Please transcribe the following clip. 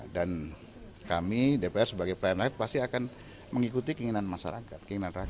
dan kami dpr sebagai planer pasti akan mengikuti keinginan masyarakat